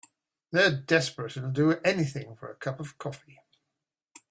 They're desperate and will do anything for a cup of coffee.